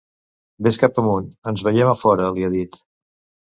Vés cap amunt, ens veiem a fora, li ha dit.